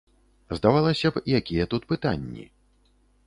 Здавалася б, якія тут пытанні.